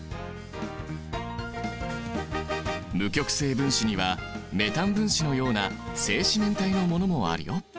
無極性分子にはメタン分子のような正四面体のものもあるよ。